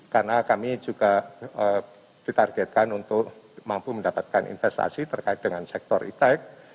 karena kami juga ditargetkan untuk mampu mendapatkan investasi terkait dengan sektor iptec